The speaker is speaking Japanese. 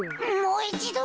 もういちど。